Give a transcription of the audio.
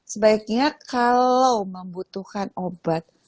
sebaiknya kalau membutuhkan obat